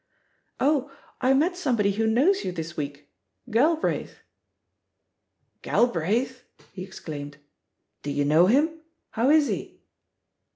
Oh, I met somebody who knows you this week — Galbraith." "Galbraithl" he exclaimed. "Do you know him? How is he?"